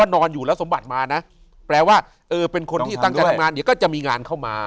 นอนอยู่แล้วสมบัติมานะแปลว่าเออเป็นคนที่ตั้งใจทำงานเดี๋ยวก็จะมีงานเข้ามา